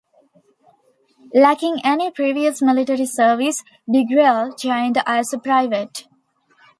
Lacking any previous military service Degrelle joined as a private.